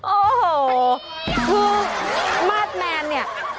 โอ้โหคือมาสแมนเนี่ย